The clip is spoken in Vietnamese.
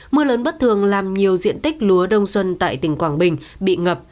mưa lớn bất thường làm nhiều diện tích lúa đông xuân tại tỉnh quảng bình